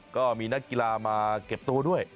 ก็มีนักกีฬามาเก็บตัวด้วย